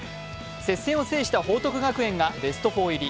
接戦を制した報徳学園がベスト４入り。